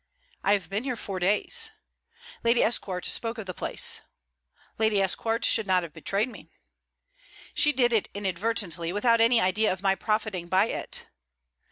'I have been here four days.' 'Lady Esquart spoke of the place.' 'Lady Esquart should not have betrayed me.' 'She did it inadvertently, without an idea of my profiting by it.'